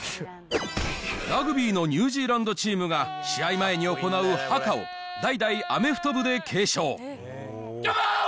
ラグビーのニュージーランドチームが、試合前に行うハカを、代々アメフト部で継承。